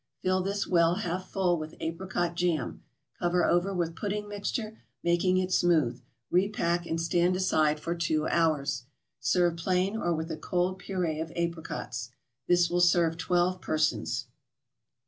Fill this well half full with apricot jam, cover over the pudding mixture, making it smooth; repack, and stand aside for two hours. Serve plain or with a cold Purée of Apricots. This will serve twelve persons.